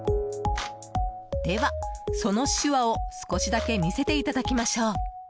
では、その手話を少しだけ見せていただきましょう。